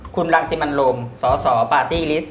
คุณรังสิมันลมสสปาร์ตี้ลิสต